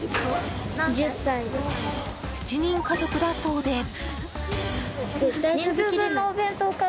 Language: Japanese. ７人家族だそうで。